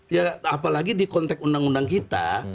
ya apalagi di konteks undang undang kita